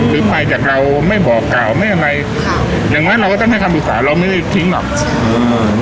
ไปจากเราไม่บอกกล่าวไม่อะไรค่ะอย่างน้อยเราก็ต้องให้คำปรึกษาเราไม่ได้ทิ้งหรอกอืม